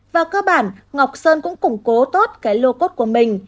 và cơ bản ngọc sơn cũng củng cố tốt cái lô cốt của mình